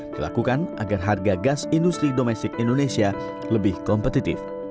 dilakukan agar harga gas industri domestik indonesia lebih kompetitif